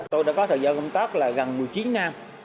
tôi đã có thời gian công tác là gần một mươi chín năm